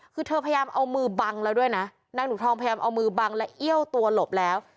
คือเธอพยายามเอามือบังแล้วด้วยนะนางหนูทองพยายามเอามือบังและเอี้ยวตัวหลบแล้ว